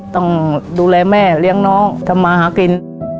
ต้องดูแลแม่เลี้ยงน้องทำมาหากิน